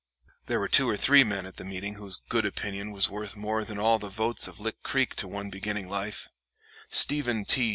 There were two or three men at the meeting whose good opinion was worth more than all the votes of Lick Creek to one beginning life: Stephen T.